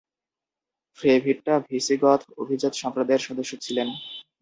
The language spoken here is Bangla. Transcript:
ফ্রেভিট্টা ভিসিগথ অভিজাত সম্প্রদায়ের সদস্য ছিলেন।